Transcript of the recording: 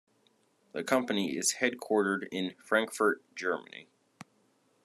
The company is headquartered in Frankfurt, Germany.